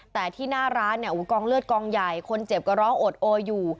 แต่ที่หน้าร้านเนี่ยกองเลือดกองใหญ่คนเจ็บก็ร้องโอดโออยู่